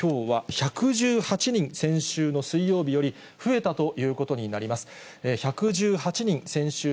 １１８人、先週の水曜日より増えたということになります。